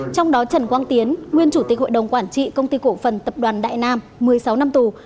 trong đó trần quang tiến nguyên chủ tịch hội đồng quản trị công ty cổ phần tập đoàn đại nam một mươi sáu năm tù